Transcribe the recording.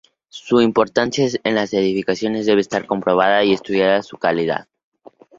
Por su importancia en las edificaciones, debe estar comprobada y estudiada su calidad.